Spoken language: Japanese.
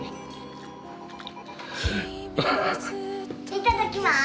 いただきます。